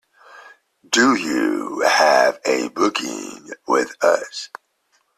Do you have a booking with us?